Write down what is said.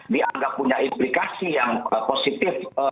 dianggap punya implikasi yang positif